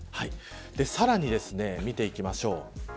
さらに見ていきましょう。